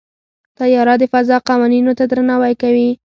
طیاره د فضا قوانینو ته درناوی کوي.